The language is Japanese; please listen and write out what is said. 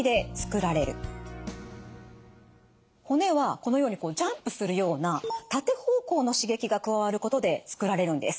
骨はこのようにジャンプするような縦方向の刺激が加わることでつくられるんです。